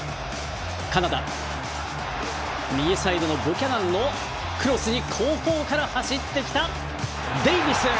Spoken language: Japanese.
カナダ、右サイドのブキャナンのクロスに後方から走ってきたデイビス！